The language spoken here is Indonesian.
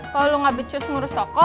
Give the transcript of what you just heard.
kalau lo gak becus ngurus toko